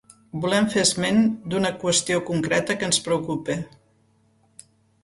Volem fer esment d’una qüestió concreta que ens preocupa.